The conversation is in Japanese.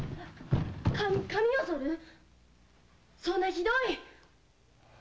そんなひどい！